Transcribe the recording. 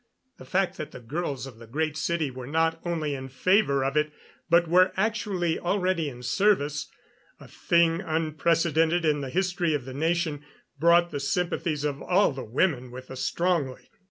The fact that the girls of the Great City were not only in favor of it, but were actually already in service a thing unprecedented in the history of the nation brought the sympathies of all the women with us strongly.